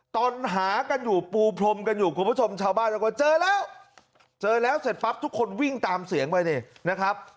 ตอนหากันอยู่ปูพรมกันอยู่คุณผู้ชมชาวบ้านแล้วก็เจอแล้วเจอแล้วเสร็จปั๊บทุกคนวิ่งตามเสียงไปนี่นะครับ